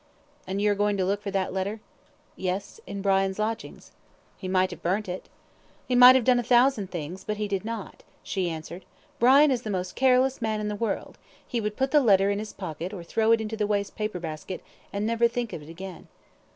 "And you are going to look for that letter?" "Yes, in Brian's lodgings." "He might have burnt it." "He might have done a thousand things, but he did not," she answered. "Brian is the most careless man in the world; he would put the letter into his pocket, or throw it into the waste paper basket, and never think of it again."